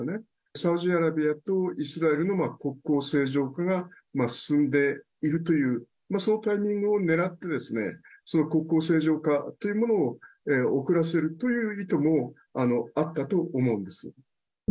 サウジアラビアとイスラエルの国交正常化が進んでいるという、そのタイミングを狙って、国交正常化というものを遅らせる、こういう意図もあったと思うんです。